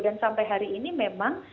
dan sampai hari ini memang